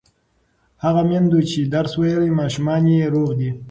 هغه میندو چې درس ویلی، ماشومان یې روغ دي.